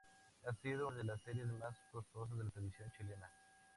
Ha sido una de las series más costosas de la televisión chilena.